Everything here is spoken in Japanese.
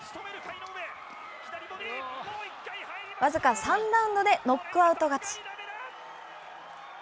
僅か３ラウンドでノックアウト勝ち。